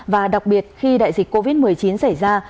và đặc biệt khi đại dịch covid một mươi chín xảy ra